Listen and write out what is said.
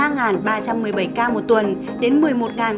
đến một mươi một sáu mươi chín ca một tuần